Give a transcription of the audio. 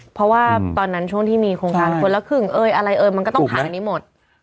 เพราะว่าตอนนั้นช่วงที่มีโครงการคนละครึ่งเอ้ยอะไรเอ่ยมันก็ต้องผ่านอันนี้หมด